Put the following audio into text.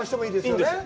いいんです。